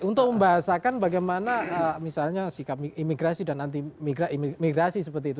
untuk membahasakan bagaimana misalnya sikap imigrasi dan anti migrasi seperti itu